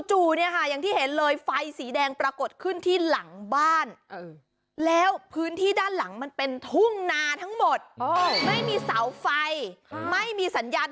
เนี่ยค่ะอย่างที่เห็นเลยไฟสีแดงปรากฏขึ้นที่หลังบ้านแล้วพื้นที่ด้านหลังมันเป็นทุ่งนาทั้งหมดไม่มีเสาไฟไม่มีสัญญาณ